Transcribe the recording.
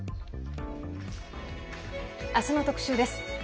明日の特集です。